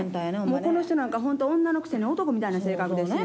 この人なんかホント女のくせに男みたいな性格ですねん。